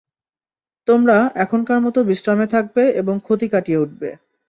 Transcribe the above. তোমরা এখনকার মতো বিশ্রামে থাকবে এবং ক্ষতি কাটিয়ে উঠবে।